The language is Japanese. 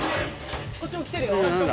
こっちも来てるよ。